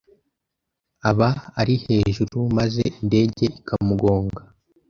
aba ari hejuru maze indege ikamugonga